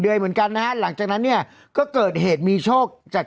เหมือนกันนะฮะหลังจากนั้นเนี่ยก็เกิดเหตุมีโชคจาก